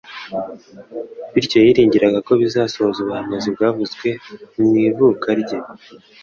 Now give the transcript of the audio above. Bityo yiringiraga ko bizasohoza ubuhanuzi bwavuzwe mw'ivuka rye